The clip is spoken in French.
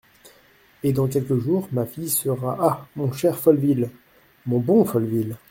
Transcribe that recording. Et dans quelques jours… ma fille sera… ah ! mon cher Folleville ! mon bon Folleville !…